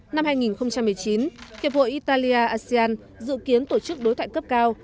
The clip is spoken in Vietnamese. năm hai nghìn một mươi chín hiệp hội italia asean dự kiến tổ chức đối thoại cấp cao